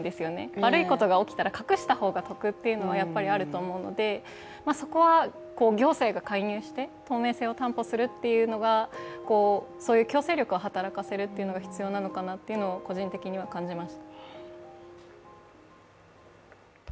悪いことが起きたら隠した方が得というのがあると思うのでそこは行政が介入して透明性を担保するというのが、そういう強制力を働かせるのが必要なのかなと個人的には感じました。